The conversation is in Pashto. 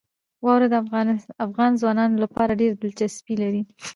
واوره د افغان ځوانانو لپاره ډېره دلچسپي لري.